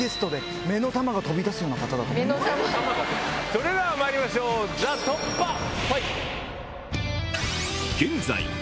目の玉⁉それではまいりましょうＴＨＥ突破ファイル！